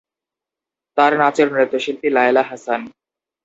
তার নাচের নৃত্যশিল্পী লায়লা হাসান।